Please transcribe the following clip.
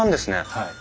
はい。